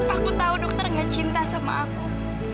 aku tahu dokter gak cinta sama aku